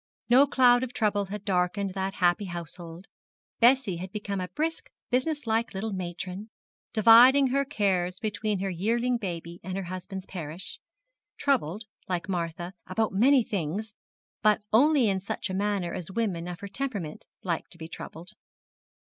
No cloud of trouble had darkened that happy household. Bessie had become a brisk, business like little matron, dividing her cares between her yearling baby and her husband's parish; troubled, like Martha, about many things, but only in such a manner as women of her temperament like to be troubled.